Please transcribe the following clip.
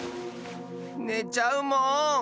ねちゃうもん。